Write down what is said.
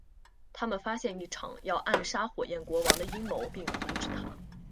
他们发现一场要暗杀火焰国王的阴谋并阻止它。